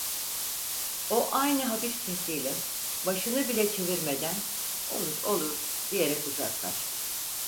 O aynı hafif sesiyle, başını bile çevirmeden "Olur, olur!" diyerek uzaklaştı.